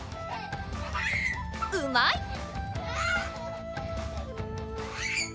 うまい！